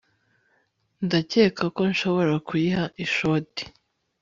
Ndakeka ko nshobora kuyiha ishoti